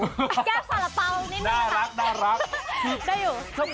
แก้มสาระเป๋านิดนึงนะคะได้อยู่น่ารัก